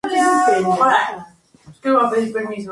Pero simplemente es una marca.